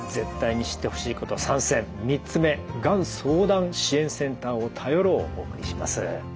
３つ目がん相談支援センターを頼ろうをお送りします。